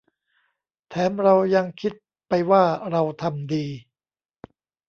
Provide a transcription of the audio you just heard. แถมเรายังคิดไปว่า 'เราทำดี'